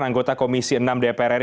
anggota komisi enam dpr ri